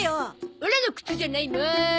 オラの靴じゃないもん。